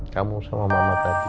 kamu sama mama tadi